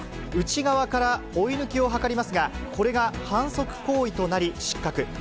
内側から追い抜きを図りますが、これが反則行為となり、失格。